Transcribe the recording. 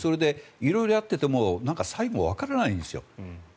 色々やっていても最後わからないんですよ。